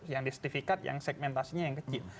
yang disertifikat yang segmentasinya yang kecil